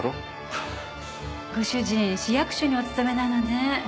ご主人市役所にお勤めなのね。